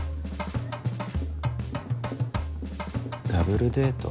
ダブルデート？